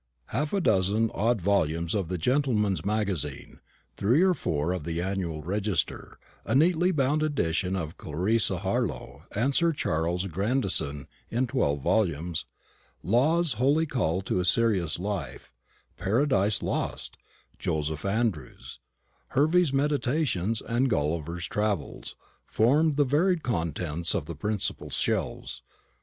Half a dozen odd volumes of the Gentleman's Magazine, three or four of the Annual Register, a neatly bound edition of Clarissa Harlowe and Sir Charles Grandison in twelve volumes, Law's Holy Call to a Serious Life, Paradise Lost, Joseph Andrews, Hervey's Meditations, and Gulliver's Travels, formed the varied contents of the principal shelves.